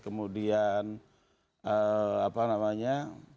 kemudian apa namanya